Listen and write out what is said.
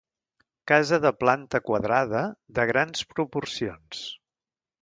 Casa de planta quadrada, de grans proporcions.